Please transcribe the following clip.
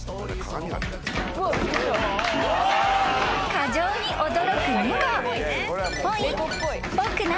［過剰に驚く猫］